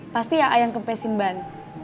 pasti ya a yang kepesin ban